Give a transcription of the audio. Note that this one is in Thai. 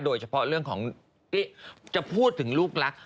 โดยเฉพาะเรื่องของจะพูดถึงลูกรัก